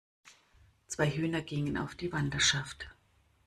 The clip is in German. Zwei Hühner gingen auf die Wanderschaft!